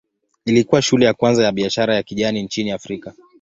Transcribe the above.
Ilikuwa shule ya kwanza ya biashara ya kijani nchini Afrika.